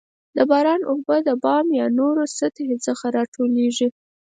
د باران اوبه د بام او یا نورو له سطحې څخه راټولیږي.